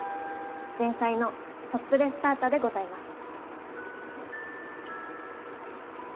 前菜のソップレッサータでございます。